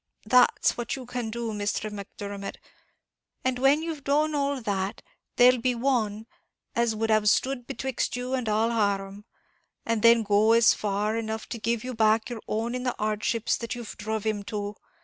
That's what you can do, Misther Macdermot: and when you've done all that, there'll be one, as would have stood betwixt you and all harum, will then go far enough to give you back your own in the hardships you've druv him to.'